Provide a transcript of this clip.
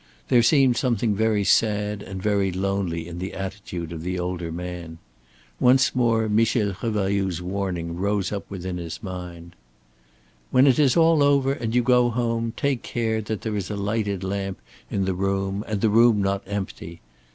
There seemed something sad and very lonely in the attitude of the older man. Once more Michel Revailloud's warning rose up within his mind. "When it is all over, and you go home, take care that there is a lighted lamp in the room and the room not empty.